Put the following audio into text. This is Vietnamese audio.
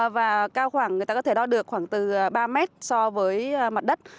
và cao khoảng người ta có thể đo được khoảng từ ba mét so với mặt đất